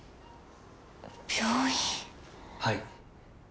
はい。